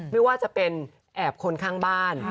ไม่ว่าจะเป็นแอบคนข้างบ้าน